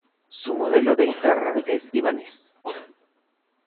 Su modelo de guitarra es Ibanez.